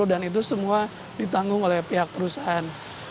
dan itu semua ditanggung oleh pihak perusahaan